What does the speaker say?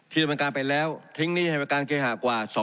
ที่สำนักการณ์ไปแล้วทิ้งนี้ให้เป็นการเก่าศึกต่อกว่า